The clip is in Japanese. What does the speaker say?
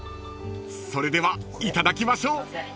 それではいただきましょう］